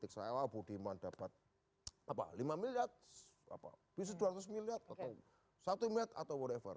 kalau saya politik saya ah budi mau dapat apa lima miliar bisa dua ratus miliar atau satu miliar atau whatever